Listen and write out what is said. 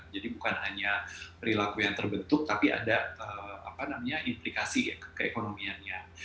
jadi bukan hanya perilaku yang terbentuk tapi ada implikasi keekonomiannya